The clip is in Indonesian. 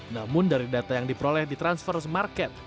namun dari data yang diperoleh di transfers market